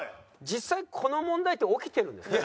実際この問題って起きてるんですか？